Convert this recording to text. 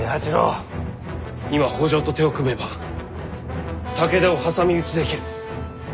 今北条と手を組めば武田を挟み撃ちできる。